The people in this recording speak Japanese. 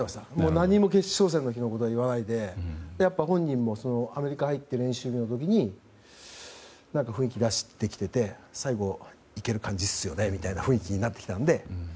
何も決勝戦の日のことは言わないで本人もアメリカに入って練習をした時に雰囲気を出してきて最後、いける感じですよねみたいになったので。